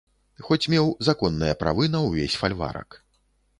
Хоць меў законныя правы на ўвесь фальварак.